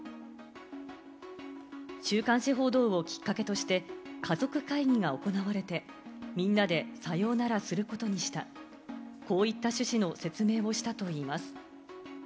週刊誌報道をきっかけとして家族会議が行われて、みんなでさようならすることにした、こういった趣旨の説明をしたといいます。